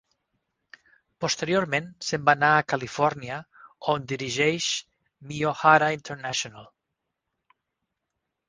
Posteriorment, se'n va anar a Califòrnia on dirigeix Miyohara International.